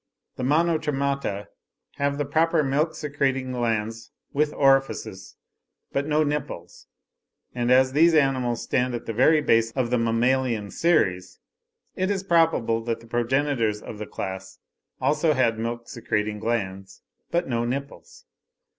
The Monotremata have the proper milk secreting glands with orifices, but no nipples; and as these animals stand at the very base of the mammalian series, it is probable that the progenitors of the class also had milk secreting glands, but no nipples.